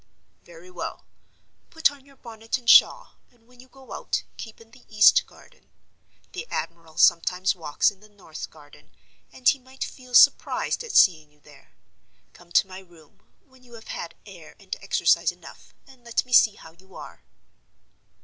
"Very well. Put on your bonnet and shawl, and, when you get out, keep in the east garden. The admiral sometimes walks in the north garden, and he might feel surprised at seeing you there. Come to my room, when you have had air and exercise enough, and let me see how you are."